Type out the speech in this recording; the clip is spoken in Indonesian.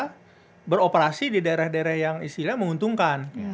untuk operasi di daerah daerah yang istilahnya menguntungkan